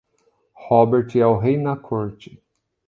Robert é o rei na corte.